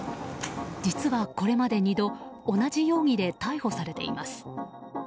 実は、これまで２度同じ容疑で逮捕されています。